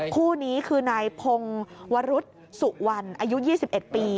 คู่นี้คือนายพงวรุษสุวรรณอายุ๒๑ปี